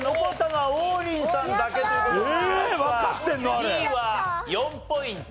Ｄは４ポイント。